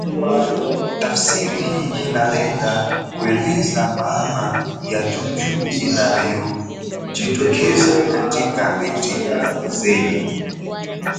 Tafsiri hii inalenga kueleza maana ya juujuu inayojitokeza katika beti zenye